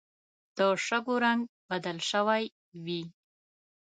د شګو رنګ بدل شوی وي